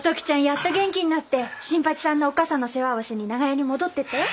やっと元気になって新八さんのおっ母さんの世話をしに長屋に戻ってったよ。